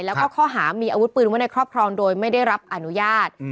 แล้วก็ข้อหามีอาวุธปืนไว้ในครอบครองโดยไม่ได้รับอนุญาต